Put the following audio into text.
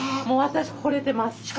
もう私ほれてます。